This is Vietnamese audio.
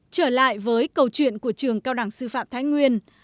trở lại với câu chuyện của trường cao đẳng sư phạm thái nguyên